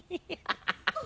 ハハハ